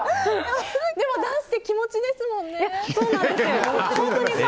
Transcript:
でも、ダンスって気持ちですもんね。